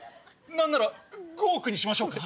何なら５億にしましょうか。